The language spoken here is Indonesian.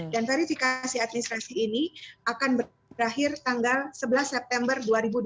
dan verifikasi administrasi ini akan berakhir tanggal sebelas september dua ribu dua puluh dua